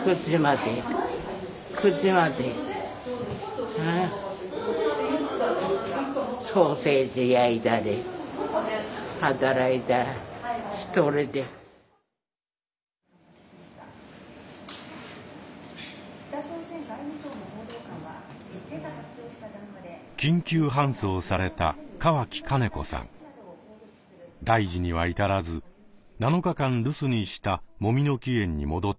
大事には至らず７日間留守にしたもみの木苑に戻ってきました。